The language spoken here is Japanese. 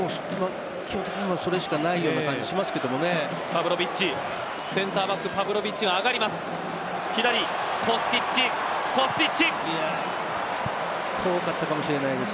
基本的にそれしかないような感じします。